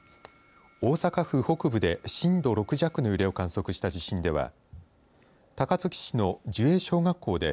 大阪府北部で震度６弱の揺れを観測した地震では高槻市の寿栄小学校で